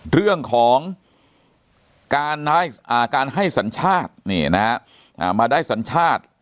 เรื่องของการให้สัญชาติมาได้สัญชาติ